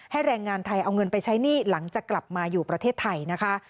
แรงงานไทยเอาเงินไปใช้หนี้หลังจากกลับมาอยู่ประเทศไทยนะคะ